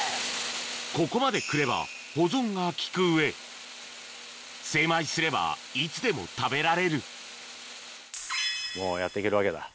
ここまで来れば保存が利く上精米すればいつでも食べられるもうやって行けるわけだ。